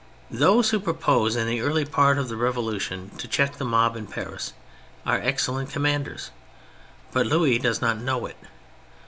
Those who propose in the early part of the Revolution to check the mob in Paris, are excellent commanders : but Louis does not know it.